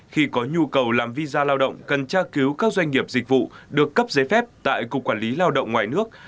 khi có nhu cầu làm visa lao động cần tra cứu các doanh nghiệp dịch vụ được cấp giấy phép tại cục quản lý lao động ngoài nước